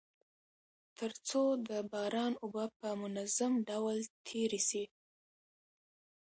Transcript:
تر څو د باران اوبه په منظم ډول تيري سي.